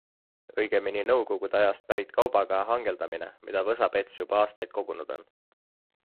Õigemini nõukogude ajast pärit kaubaga hangeldamine, mida Võsa-Pets juba aastaid kogunud on.